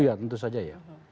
iya tentu saja ya